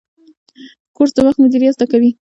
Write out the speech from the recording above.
کورس د وخت مدیریت زده کوي.